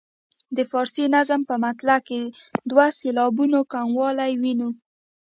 د فارسي نظم په مطلع کې دوه سېلابونه کموالی وینو.